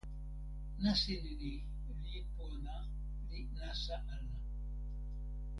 nasin ni li pona li nasa ala.